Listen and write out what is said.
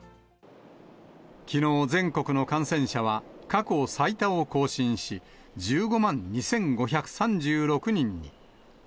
きのう、全国の感染者は過去最多を更新し、１５万２５３６人に。